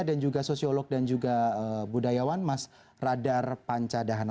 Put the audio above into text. dan juga sosiolog dan juga budayawan mas radar panca dahana